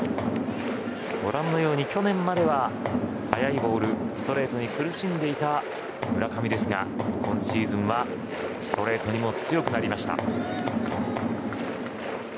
去年までは速いボールストレートに苦しんでいた村上ですが今シーズンはストレートにも強くなりました。